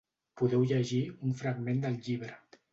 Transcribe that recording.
Podeu llegir un fragment del llibre.